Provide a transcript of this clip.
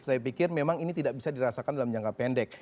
saya pikir memang ini tidak bisa dirasakan dalam jangka pendek